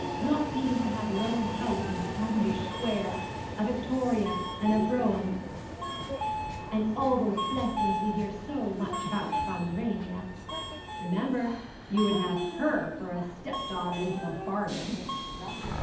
not even to have your own house in Cavendish Square, a victoria and brougham, and all those blessings we hear so much about from Urania. Remember, you would have her for a stepdaughter into the bargain.'